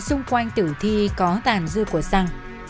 xung quanh tử thi có tàn dư của sàng